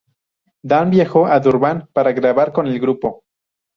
Dan viajó a Durban para grabar con el grupo.